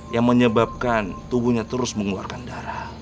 yang menyebabkan tubuhnya terus mengeluarkan darah